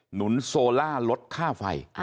หนุนโซล่าลดค่าไฟ